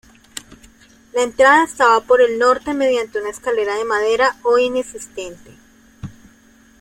La entrada estaba por el norte, mediante una escalera de madera hoy inexistente.